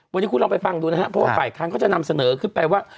วันนี้คุณลองไปฟังดูนะครับเพราะว่าฝ่ายค้านเขาจะนำเสนอขึ้นไปว่า